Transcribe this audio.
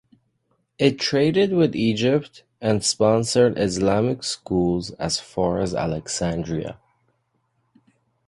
It traded with Egypt and sponsored Islamic schools as far as Alexandria.